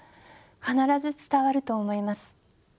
必ず伝わると思います。